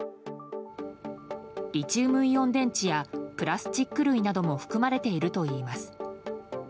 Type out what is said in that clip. リチウムイオン電池やプラスチック類なども含まれているといいます。